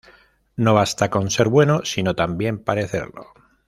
No basta con ser bueno, sino también parecerlo